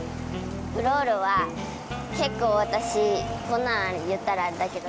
クロールは結構私こんなの言ったらあれだけど。